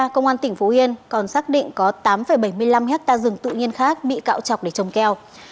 công an tỉnh phú yên còn xác định có tám bảy mươi năm hectare rừng tự nhiên khác bị cạo chọc để trồng keo